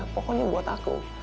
pokoknya buat aku